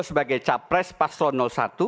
sebagai capres paslon satu